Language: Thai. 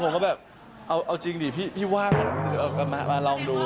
ผมก็แบบเอาจริงดิพี่ว่างหรือมาลองดู